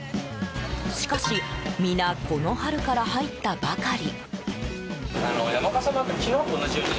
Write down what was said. しかし皆、この春から入ったばかり。